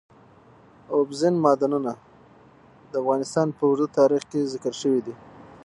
اوبزین معدنونه د افغانستان په اوږده تاریخ کې ذکر شوی دی.